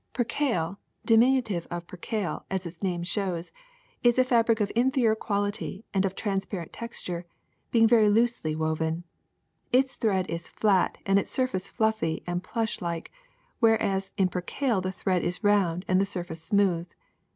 *^ Percale, diminutive of percale, as its name shows, is a fabric of inferior quality and of trans parent texture, being very loosely woven. Its thread is flat and its surface fluffy and plush like, whereas in percale the thread is round and the sur face smooth.